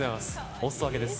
おすそ分けです。